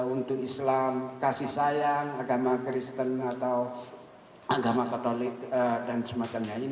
untuk islam kasih sayang agama kristen atau agama katolik dan semacamnya